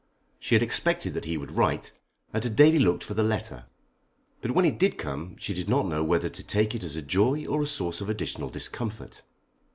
She had expected that he would write, and had daily looked for the letter. But when it did come she did not know whether to take it as a joy or a source of additional discomfort.